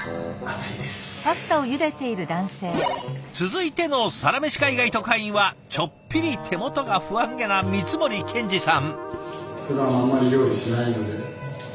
続いてのサラメシ海外特派員はちょっぴり手元が不安げな光森健二さん。